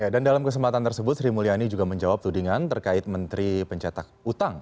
dan dalam kesempatan tersebut sri mulyani juga menjawab tudingan terkait menteri pencetak utang